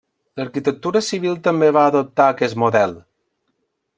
L'arquitectura civil també va adoptar aquest model.